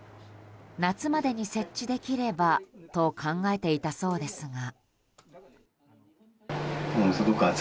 夏までに設置できればと考えていたそうですが。